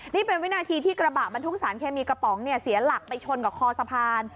นี่เป็นวินาทีที่กระบะบรรทุกสารเคมีกระป๋องเนี่ยเสียหลักไปชนกับคอสะพาน